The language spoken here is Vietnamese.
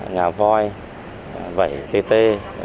ngả voi vẩy tê tê